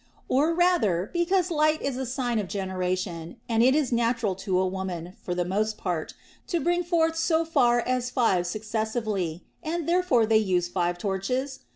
Or rather, because light is a sign of generation, and it is natural to a woman, for the most part, to bring forth so far as five successively, and therefore they use five torches